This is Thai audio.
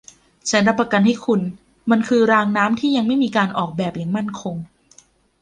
ฉันรับประกันให้คุณ มันคือรางน้ำที่ยังไม่มีการออกแบบอย่างมั่นคง